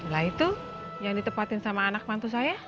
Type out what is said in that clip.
lah itu yang ditepatin sama anak mantu saya